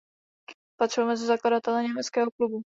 Patřil mezi zakladatele Německého klubu.